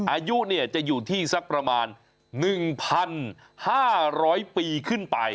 อายุจะอยู่ที่สักประมาณ๑๕๐๐ปีขึ้นไป